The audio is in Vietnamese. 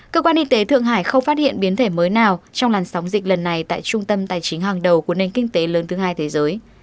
cơ quan y tế thượng hải không phát hiện biến thể mới nào trong làn sóng dịch lần này tại trung tâm tài chính hàng đầu của nền kinh tế lớn thứ hai thế giới